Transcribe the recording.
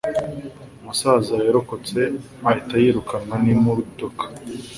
Umusaza yarokotse ahita yirukanwa n'imodoka